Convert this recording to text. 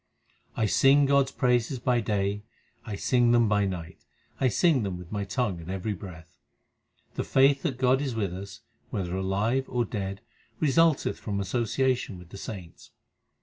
I sing God s praises by day, I sing them by night, I sing them with my tongue at every breath. The faith that God is with us whether alive or dead result eth from association with the saints.